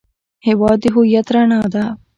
هېواد د هویت رڼا ده.